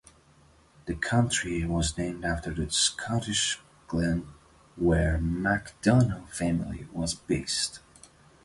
The county was named after the Scottish Glen, where the MacDonnell family was based.